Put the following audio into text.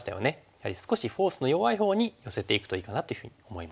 やはり少しフォースの弱いほうに寄せていくといいかなというふうに思います。